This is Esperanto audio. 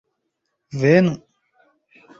Venu!